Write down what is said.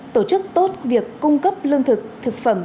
tổ chức tốt việc cung cấp lương thực thực phẩm